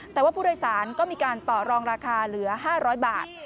แต่ว่าผู้โดยสารก็มีการต่อรองราคาเหลือ๕๐๐บาท